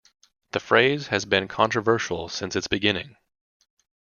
The phrase has been controversial since its beginning.